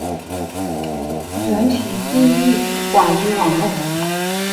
软体定义广域网路。